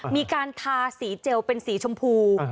มีการทาสีเจลเป็นสีชมพู